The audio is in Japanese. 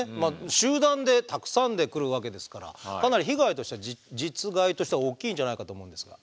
集団でたくさんで来るわけですからかなり被害としては実害としては大きいんじゃないかと思うんですが。